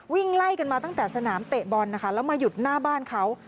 วิ่งไล่กันมาตั้งแต่สนามเตะบอลนะคะแล้วมาหยุดหน้าบ้านเขา